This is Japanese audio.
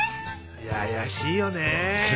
あやしいよね！